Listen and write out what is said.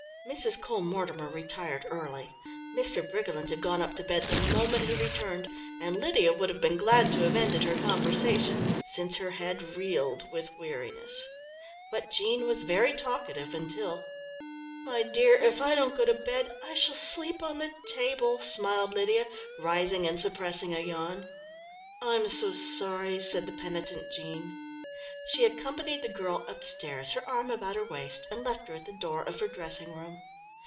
Mrs. Cole Mortimer retired early. Mr. Briggerland had gone up to bed the moment he returned, and Lydia would have been glad to have ended her conversation; since her head reeled with weariness, but Jean was very talkative, until "My dear, if I don't go to bed I shall sleep on the table," smiled Lydia, rising and suppressing a yawn. "I'm so sorry," said the penitent Jean. She accompanied the girl upstairs, her arm about her waist, and left her at the door of her dressing room.